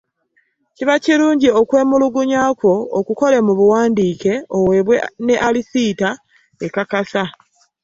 Kiba kirungi okwemulugunya kwo okukole mu buwandiike oweebwe ne alisiita ekakasa.